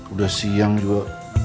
udah siang juga